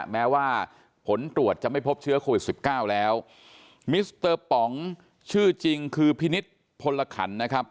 แม้ว่าผลตรวจจะไม่พบเชื้อโควิดสิบเก้าแล้วมิสเตอร์ป๋องชื่อจริงคือพินิษฐ์พลขันนะครับ